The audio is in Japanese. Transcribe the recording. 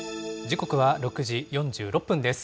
時刻は６時４６分です。